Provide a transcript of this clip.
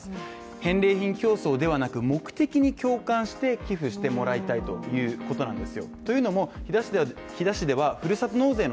返礼品競争ではなく目的に共感して寄付してもらいたいということなんです